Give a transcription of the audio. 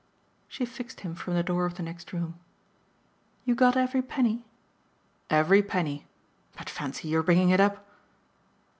She fixed him from the door of the next room. "You got every penny?" "Every penny. But fancy your bringing it up!"